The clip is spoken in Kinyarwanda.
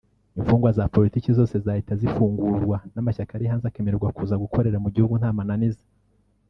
imfungwa za politiki zose zahita zifungurwa n’amashyaka ari hanze akemererwa kuza gukorera mu gihugu nta mananiza